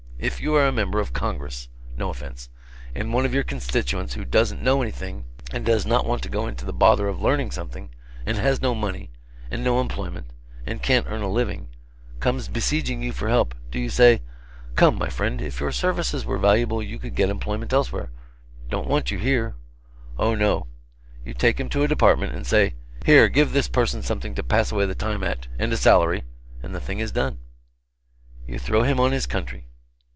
If you are a member of Congress, (no offence,) and one of your constituents who doesn't know anything, and does not want to go into the bother of learning something, and has no money, and no employment, and can't earn a living, comes besieging you for help, do you say, "Come, my friend, if your services were valuable you could get employment elsewhere don't want you here?" Oh, no: You take him to a Department and say, "Here, give this person something to pass away the time at and a salary" and the thing is done. You throw him on his country.